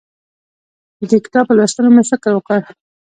د دې کتاب په لوستو مې فکر وکړ.